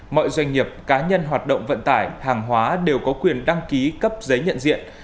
mọi doanh nghiệp cá nhân hoạt động vận tải hàng hóa đều có quyền đăng ký cấp giấy nhận diện